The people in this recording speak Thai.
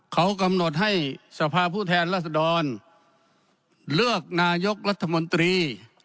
เขากำหนดให้สภาพผู้แทนรัศดรเลือกนายกรัฐมนตรี